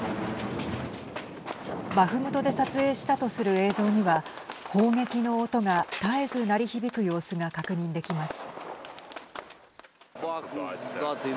バフムトで撮影したとする映像には砲撃の音が絶えず鳴り響く様子が確認できます。